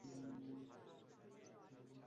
তাঁর একটি চোখ সম্পূর্ণভাবে নষ্ট হয়ে গেছে।